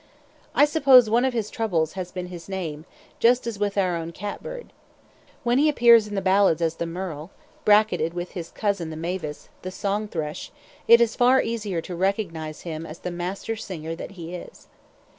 I suppose one of his troubles has been his name, just as with our own catbird. When he appears in the ballads as the merle, bracketed with his cousin the mavis, the song thrush, it is far easier to recognize him as the master singer that he is.